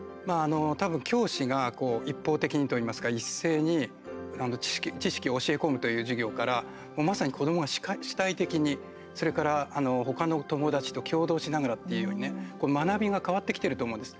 たぶん教師が一方的にといいますか、一斉に知識を教え込むという授業からまさに子どもが主体的にそれからほかの友達と共同しながらっていうようにね学びが変わってきてると思うんです。